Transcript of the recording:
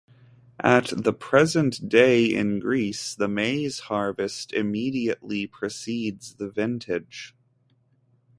At the present day in Greece, the maize harvest immediately precedes the vintage.